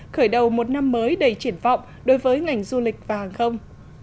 khởi đầu một năm mới đầy triển vọng đối với ngành du lịch và hàng không